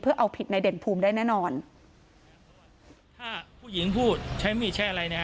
เอาผิดในเด่นภูมิได้แน่นอนถ้าผู้หญิงพูดใช้มีดแช่อะไรนะฮะ